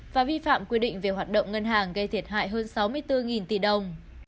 và vi phạm quy định về hoạt động ngân hàng gây thiệt hại hơn sáu mươi bốn tỷ đồng